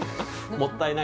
もったいない。